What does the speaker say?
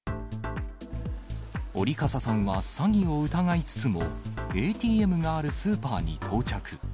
折笠さんは詐欺を疑いつつも、ＡＴＭがあるスーパーに到着。